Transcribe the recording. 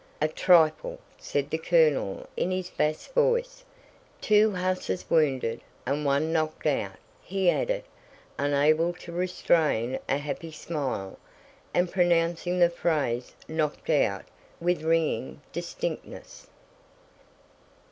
"A trifle," said the colonel in his bass voice: "two hussars wounded, and one knocked out," he added, unable to restrain a happy smile, and pronouncing the phrase "knocked out" with ringing distinctness.